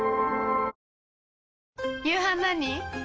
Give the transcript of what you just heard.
夕飯何？